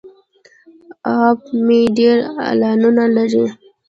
اپ مې ډیر اعلانونه لري.